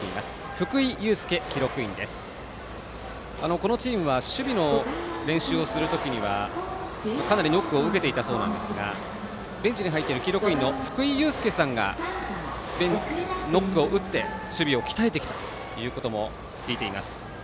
このチームは守備の練習をするときにはかなりノックを受けていたそうなんですがベンチに入っている記録員の福井悠介さんがノックを打って守備を鍛えてきたということも聞いています。